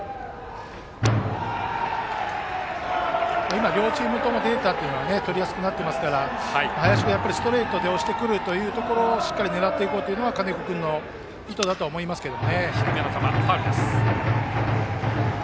今、両チームともデータをとりやすくなっていますから林君はストレートで押してくるところをしっかり狙っていこうというのが金子君の意図だと思いますけどね。